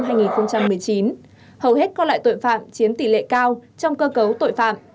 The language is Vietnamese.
hầu hết các loại tội phạm chiếm tỷ lệ cao trong cơ cấu tội phạm